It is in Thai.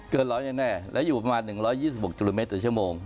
ร้อยแน่และอยู่ประมาณ๑๒๖กิโลเมตรต่อชั่วโมง